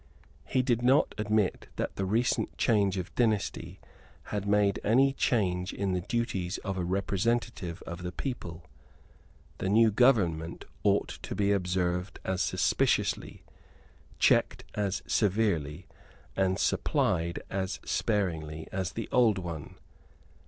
He did not admit that the recent change of dynasty had made any change in the duties of a representative of the people. The new government ought to be observed as suspiciously, checked as severely, and supplied as sparingly as the old one.